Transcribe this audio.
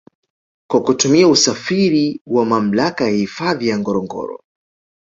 Kwa kutumia usafiri wa mamlaka ya hifadhi ya ngorongoro